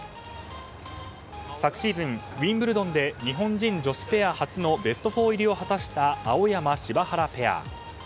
昨シーズン、ウィンブルドンで日本人女子ペア初のベスト４入りを果たした青山、柴原ペア。